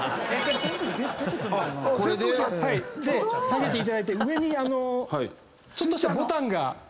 下げていただいて上にちょっとしたボタンが。